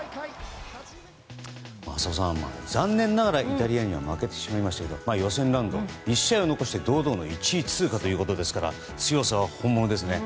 浅尾さん、残念ながらイタリアには負けてしまいましたけど予選ラウンド１試合を残して堂々の１位通過ということですから強さは本物ですね。